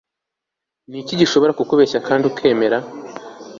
Ni iki gishobora kubeshya kandi ukemera